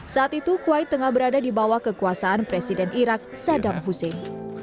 saat itu kuwait tengah berada di bawah kekuasaan presiden irak sadam hussein